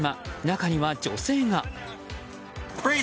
中には女性が。